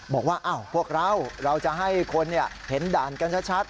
บอกว่าพวกเราเราจะให้คนเห็นด่านกันชัด